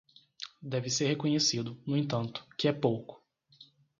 Deve ser reconhecido, no entanto, que é pouco.